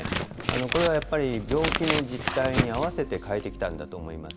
これはやっぱり病気の実態に合わせて変えてきたんだと思います。